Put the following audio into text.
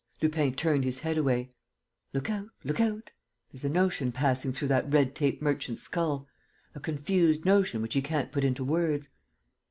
Lupin turned his head away. "Look out!... Look out!... There's a notion passing through that red tape merchant's skull: a confused notion which he can't put into words.